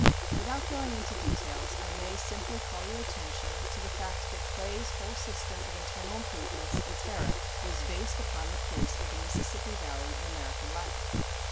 Without going into details, I may simply call your attention to the fact that Clay's whole system of internal improvements and tariff was based upon the place of the Mississippi Valley in American life.